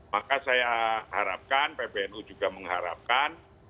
maka saya harapkan pbnu juga mengharapkan